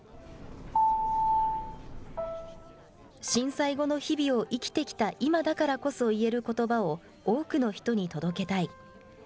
震災後の日々を生きてきた今だからこそ言えることばを、多くの人に届けたい。